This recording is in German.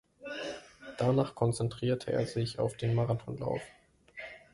Danach konzentrierte er sich auf den Marathonlauf.